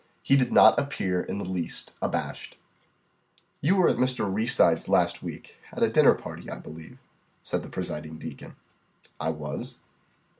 He did not appear in the least abashed. "You were at Mr. Reeside's last week, at a dinner party, I believe?" said the presiding deacon. "I was."